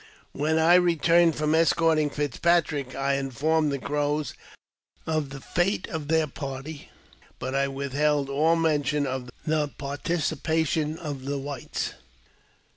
When I returned from escorting Fitzpatrick, I informed the Crows of the fate of their party ; but I withheld all mention of the participation of the whites.